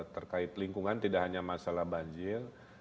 terkait lingkungan tidak hanya masalah banjir